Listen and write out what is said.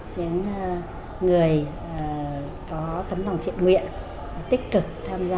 những người có tấm lòng thiện nguyện tích cực tham gia